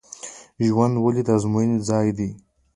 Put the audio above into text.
ژوند ولې د ازموینې ځای دی؟